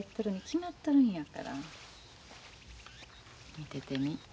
見ててみ。